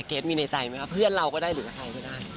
เกรทมีในใจไหมคะเพื่อนเราก็ได้หรือว่าใครก็ได้